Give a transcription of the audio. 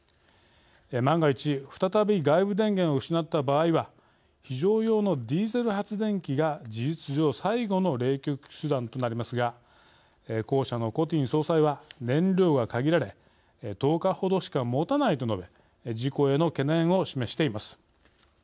万が一再び外部電源を失った場合は非常用のディーゼル発電機が事実上最後の冷却手段となりますが公社のコティン総裁は燃料が限られ「１０日程しかもたない」と述べ事故への懸念を示しています。